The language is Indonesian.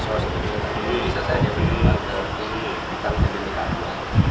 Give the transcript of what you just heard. sosial bisa saja bergantian dari hal ini